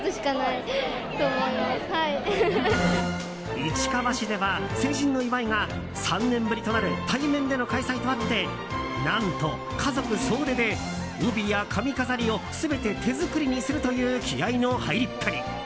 市川市では成人の集いが３年ぶりとなる対面での開催とあって何と家族総出で帯や髪飾りを全て手作りにするという気合の入りっぷり。